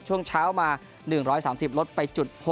ช่วงเช้ามา๑๓๐ลดไปจุด๖